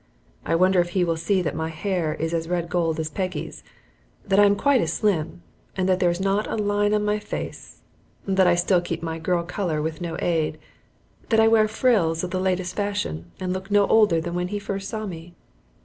I wonder if he will see that my hair is as red gold as Peggy's, that I am quite as slim, that there is not a line on my face, that I still keep my girl color with no aid, that I wear frills of the latest fashion, and look no older than when he first saw me.